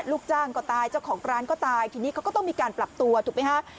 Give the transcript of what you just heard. ลูกจ้างก็ตายเจ้าของร้านก็ตายทีนี้เขาก็ต้องมีการปรับตัวถูกไหมฮะ